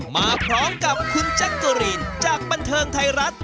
มาพร้อมกับคุณแจ๊กเกอรีนจากบันเทิงไทยรัฐ